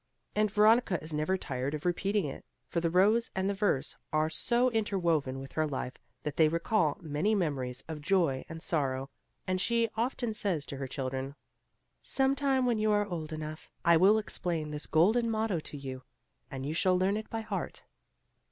And Veronica is never tired of repeating it; for the rose and the verse are so interwoven with her life that they recall many memories of joy and sorrow; and she often says to the children, "Some time when you are old enough, I will explain this golden motto to you, and you shall learn it by heart."